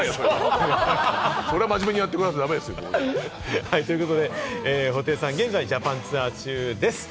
それは真面目にやってくれなきゃ困りますよ。ということで、布袋さん、現在ジャパンツアー中です。